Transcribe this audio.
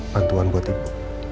bantuan buat ibu